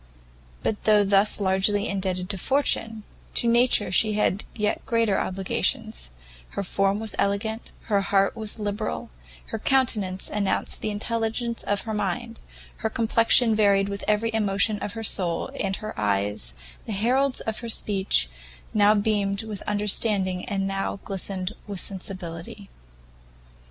But though thus largely indebted to fortune, to nature she had yet greater obligations: her form was elegant, her heart was liberal; her countenance announced the intelligence of her mind, her complexion varied with every emotion of her soul, and her eyes, the heralds of her speech, now beamed with understanding and now glistened with sensibility.